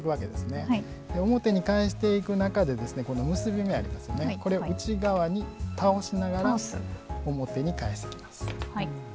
表に返していく中で結び目を内側に倒しながら表に返します。